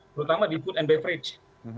terutama di food and beverage